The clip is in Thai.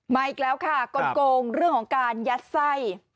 มาอีกแล้วค่ะกลงเรื่องของการยัดไส้